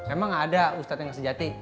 emang ada ustadz yang sejati